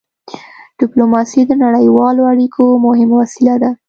ډيپلوماسي د نړیوالو اړیکو مهمه وسيله ده.